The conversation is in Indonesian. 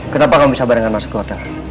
kenapa kamu bisa barengan masuk ke hotel